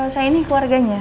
saya ini keluarganya